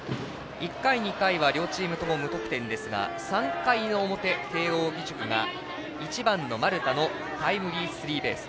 １回、２回は両チームとも無得点ですが３回の表、慶応義塾が１番の丸田のタイムリースリーベース。